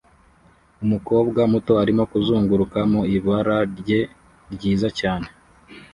Umukobwa muto arimo kuzunguruka mu ibara rye ryiza cyane